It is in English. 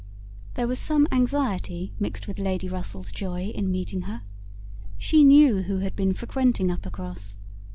There was some anxiety mixed with Lady Russell's joy in meeting her. She knew who had been frequenting Uppercross.